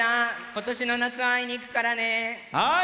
今年の夏、会いに行くからね！